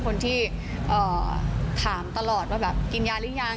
ออกงานอีเวนท์ครั้งแรกไปรับรางวัลเกี่ยวกับลูกทุ่ง